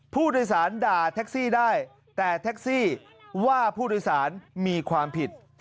ผู้โดยสารด่าแท็กซี่ได้แต่แท็กซี่ว่าผู้โดยสารมีความผิด